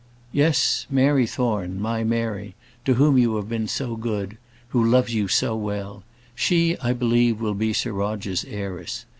"Yes; Mary Thorne my Mary to whom you have been so good, who loves you so well; she, I believe, will be Sir Roger's heiress.